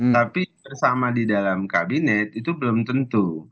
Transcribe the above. tapi bersama di dalam kabinet itu belum tentu